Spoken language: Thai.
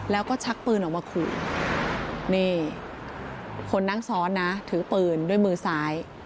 แล้วก็ชักปืนออกมาขู่นี่คนนั่งซ้อนนะถือปืนด้วยมือซ้าย